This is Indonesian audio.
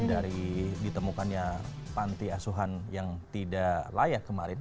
dari ditemukannya panti asuhan yang tidak layak kemarin